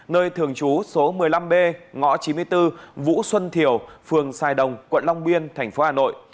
nơi thường trú số một mươi năm b ngõ chín mươi bốn vũ xuân thiều phường sài đồng quận long biên thành phố hà nội